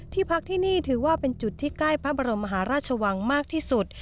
พักที่นี่ถือว่าเป็นจุดที่ใกล้พระบรมมหาราชวังมากที่สุด